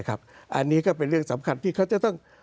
อันนี้ก็เป็นเรื่องสำคัญที่เขาจะต้อง